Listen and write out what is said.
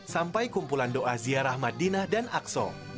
sampai kumpulan doa ziarah madinah dan akso